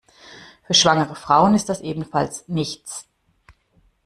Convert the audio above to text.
Für schwangere Frauen ist das ebenfalls nichts.